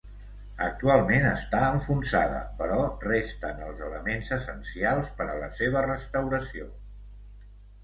Actualment està enfonsada però resten els elements essencials per a la seva restauració.